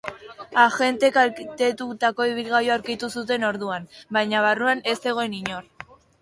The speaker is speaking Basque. Agenteek kaltetutako ibilgailua aurkitu zuten orduan, baina barruan ez zegoen inor.